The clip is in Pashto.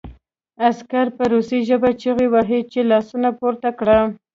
عسکر په روسي ژبه چیغې وهلې چې لاسونه پورته کړه